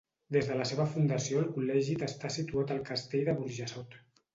Des de la seva fundació el Col·legi està situat al castell de Burjassot.